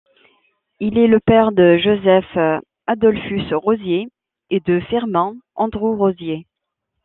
Il est le père de Joseph Adolphus Rozier et de Firmin Andrew Rozier.